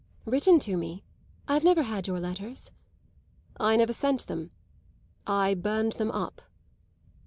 "Written to me? I've never had your letters." "I never sent them. I burned them up."